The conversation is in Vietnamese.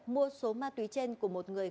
mua số ma túy trên của một người